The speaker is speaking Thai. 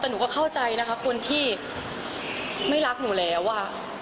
แต่หนูก็เข้าใจนะคะคนที่ไม่รักหนูแล้วอ่ะ